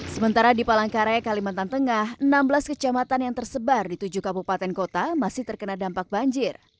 sementara di palangkaraya kalimantan tengah enam belas kecamatan yang tersebar di tujuh kabupaten kota masih terkena dampak banjir